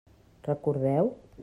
Recordeu?